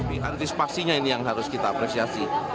ketispasinya ini yang harus kita apresiasi